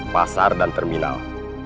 pasar dan terminal